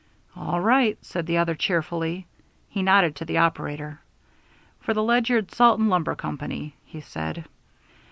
"All right," said the other, cheerfully. He nodded to the operator. "For the Ledyard Salt and Lumber Company," he said.